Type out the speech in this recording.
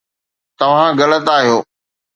توهان غلط آهيو